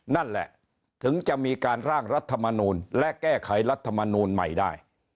นั่นแหละถึงจะมีการร่างรัฐมนูลและแก้ไขรัฐมนูลใหม่ได้